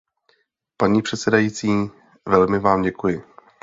Paní předsedající, velmi vám děkuji.